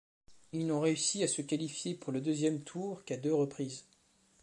Ils n'ont réussi à se qualifier pour le deuxième tour qu'à deux reprises.